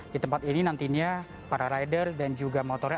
di tempat ini nantinya para rider dan juga motornya